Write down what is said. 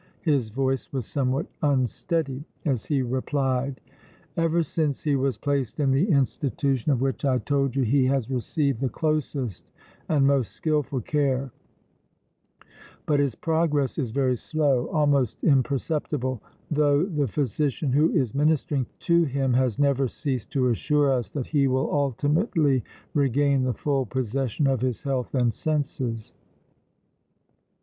His voice was somewhat unsteady as he replied: "Ever since he was placed in the institution of which I told you he has received the closest and most skilful care, but his progress is very slow, almost imperceptible, though the physician who is ministering to him has never ceased to assure us that he will ultimately regain the full possession of his health and senses."